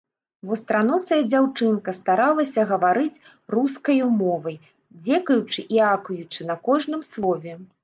Вастраносая дзяўчынка старалася гаварыць рускаю мовай, дзекаючы і акаючы на кожным слове.